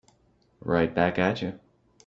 Right back at you.